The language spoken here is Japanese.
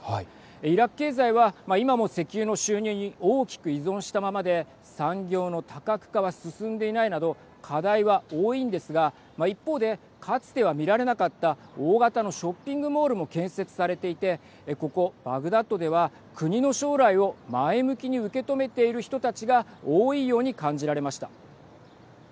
イラク経済は今も石油の収入に大きく依存したままで産業の多角化は進んでいないなど課題は多いんですが一方で、かつては見られなかった大型のショッピングモールも建設されていてここバグダッドでは国の将来を前向きに受け止めている人たちが多いように感じられました。